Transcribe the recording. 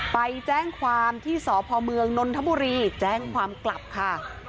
ไปแจ้งความที่สพเมืองนนทบุรีแจ้งความกลับค่ะ